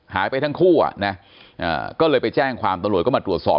หายไปทั้งคู่อ่ะนะก็เลยไปแจ้งความตำรวจก็มาตรวจสอบ